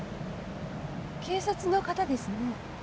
警察の方ですね。